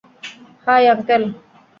High, uncle!